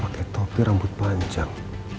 pakai topi rambut panjang